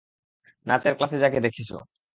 নাচের ক্লাসে যাকে দেখেছ।